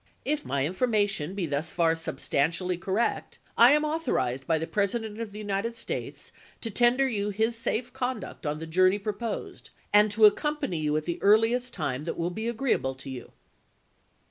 If my information chap.viij, be thus far substantially correct, I am authorized by the President of the United States to tender you person, his safe conduct on the journey proposed, and to of wSe7 accompany you at the earliest time that will be p. 301. ' agreeable to you."